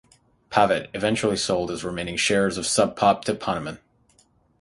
Pavitt eventually sold his remaining shares of Sub Pop to Poneman.